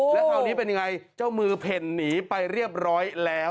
และเท่านี้เป็นอย่างไรเจ้ามือเห็นหนีไปเรียบร้อยแล้ว